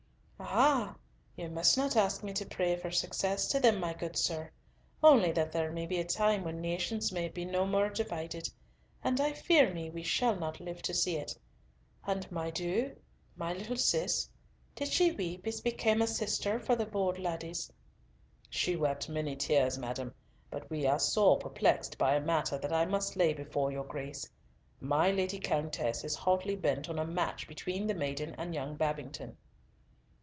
"Ah! you must not ask me to pray for success to them, my good sir,—only that there may be a time when nations may be no more divided, and I fear me we shall not live to see it. And my doo—my little Cis, did she weep as became a sister for the bold laddies?" "She wept many tears, madam, but we are sore perplexed by a matter that I must lay before your Grace. My Lady Countess is hotly bent on a match between the maiden and young Babington."